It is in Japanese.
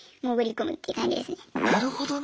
なるほどな。